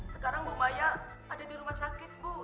sekarang bu maya ada di rumah sakit bu